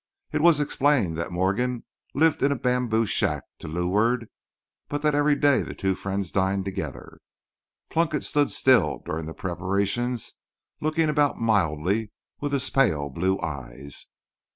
It was explained that Morgan lived in a bamboo shack to "loo'ard," but that every day the two friends dined together. Plunkett stood still during the preparations, looking about mildly with his pale blue eyes.